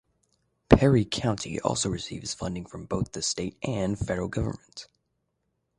Perry County also receives funding from both the state and federal government.